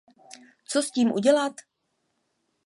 Co s tím udělat?